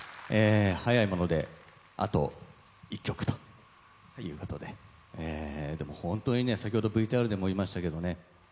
早いものであと１曲ということで本当に先ほどＶＴＲでも言いましたけどね